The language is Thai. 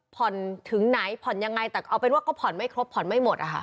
ถึงไหนผ่อนยังไงแต่เอาเป็นว่าก็ผ่อนไม่ครบผ่อนไม่หมดอะค่ะ